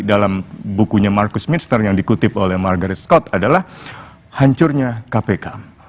dalam bukunya marcus mr yang dikutip oleh margaret scott adalah hancurnya kpk